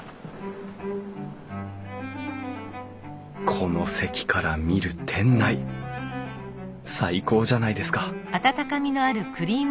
この席から見る店内最高じゃないですか！